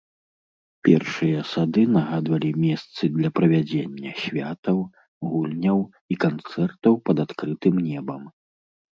Першыя сады нагадвалі месцы для правядзення святаў, гульняў і канцэртаў пад адкрытым небам.